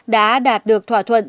đã đạt được thỏa thuận